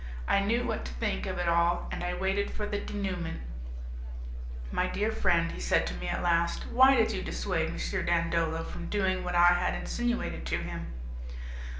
I knew what to think of it all, and I waited for the 'denouement'. "My dear friend," he said to me at last, "why did you dissuade M. Dandolo from doing what I had insinuated to him?"